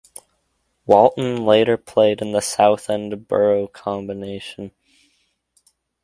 Walton later played in the Southend Borough Combination.